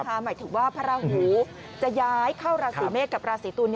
หมายถึงว่าพระราหูจะย้ายเข้าราศีเมษกับราศีตุล